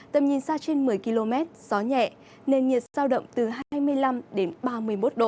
tầm nhìn xa trên một mươi km gió nhẹ nền nhiệt sao động từ hai mươi năm đến ba mươi một độ